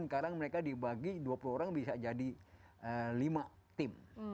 sekarang mereka dibagi dua puluh orang bisa jadi lima tim